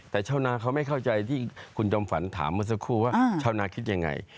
แต่ชาวนาเขาไม่เข้าใจที่คุณจอมฝันถามเมื่อสักครู่ว่าชาวนาคิดยังไง